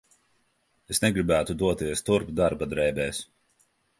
Es negribētu doties turp darba drēbēs.